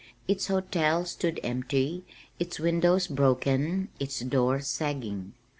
Its hotel stood empty, its windows broken, its doors sagging.